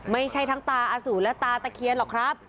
ไม่ใช่ทั้งตาอสูตและตาตะเคียนหรอกครับ